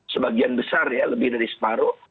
sebagian besar ya lebih dari separuh